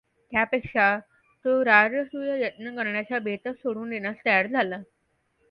त्यापेक्षा तो राजसूय यज्ञ करण्याचा बेतच सोडून देण्यास तयार झाला.